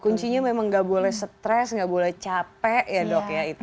kuncinya memang tidak boleh stres tidak boleh capek ya dok ya itu ya